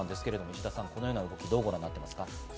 石田さん、このような動き、どうご覧になりますか？